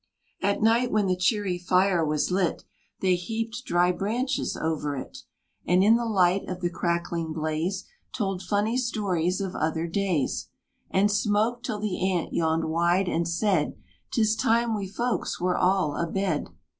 At night when the cheery fire was lit They heaped dry branches over it, And in the light of the crackling blaze Told funny stories of other days, And smoked, till the Ant yawned wide and said: "'Tis time we folks were all abed!"